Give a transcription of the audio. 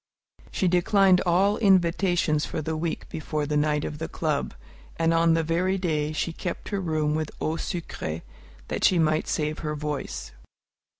She declined all invitations for the week before the night of the club, and on the very day she kept her room with eau sucrée, that she might save her voice.